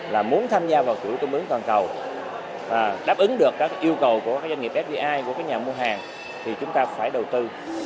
là muốn tham gia vào cửa công ứng toàn cầu đáp ứng được các yêu cầu của doanh nghiệp fbi của nhà mua hàng thì chúng ta phải đầu tư